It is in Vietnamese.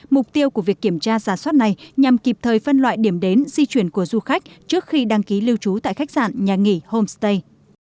mục tiêu của việc kiểm tra giả soát này nhằm kịp thời phân loại điểm đến di chuyển của du khách trước khi đăng ký lưu trú tại khách sạn nhà nghỉ homestay